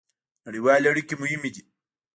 نړیوالې اړیکې مهمې دي